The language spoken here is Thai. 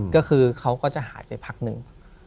ก็คือเขาก็จะหายไปพักหนึ่ง